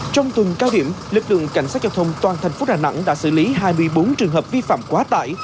trong tuần cao điểm lực lượng cảnh sát giao thông toàn thành phố đà nẵng đã xử lý hai mươi bốn trường hợp vi phạm quá tải